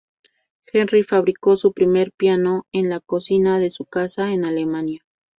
Henry fabricó su primer piano en la cocina de su casa en Alemania.